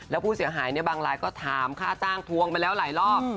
แล้วผู้เสียหายบางรายก็ถามค่าจ้างทวงมาแล้วหลายรอบ